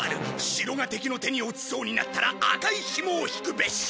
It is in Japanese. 「城が敵の手に落ちそうになったら赤いひもを引くべし」